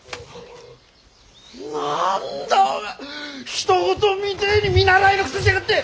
ひと事みてえに見習いのくせしやがって！